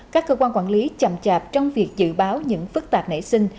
các cơ quan quản lý chậm chạp trong việc dự báo những phức tạp nảy sinh